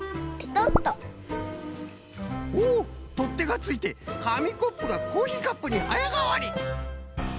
おおっとってがついてかみコップがコーヒーカップにはやがわり！